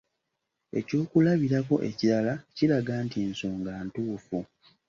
Ekyokulabirako ekirala kiraga nti ensonga ntuufu.